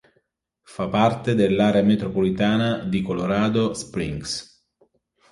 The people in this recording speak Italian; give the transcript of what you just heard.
Fa parte dell'area metropolitana di Colorado Springs.